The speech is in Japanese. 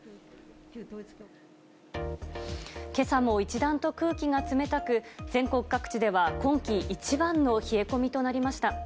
けさも一段と空気が冷たく、全国各地では今季一番の冷え込みとなりました。